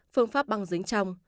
phương pháp băng dính trong